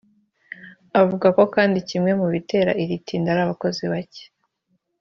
Avuga kandi ko kimwe mu bitera iri tinda ari abakozi bacye